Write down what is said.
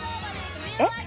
えっ？